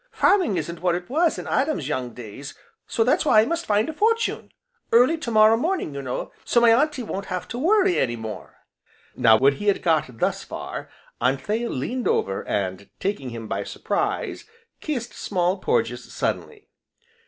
Farming isn't what it was in Adam's young days, so that's why I must find a fortune early tomorrow morning, you know, so my Auntie won't have to worry any more " Now when he had got thus far, Anthea leaned over, and, taking him by surprise, kissed Small Porges suddenly.